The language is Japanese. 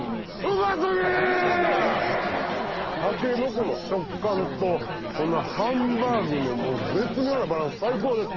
タケノコの食感とこのハンバーグも絶妙なバランス最高です！